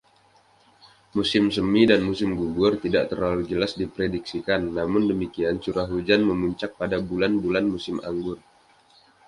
Musim semi dan musim gugur tidak terlalu jelas diprediksikan; Namun demikian, curah hujan memuncak pada bulan-bulan musim gugur.